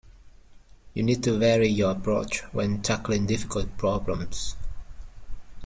You need to vary your approach when tackling difficult problems.